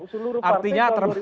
seluruh partai tahun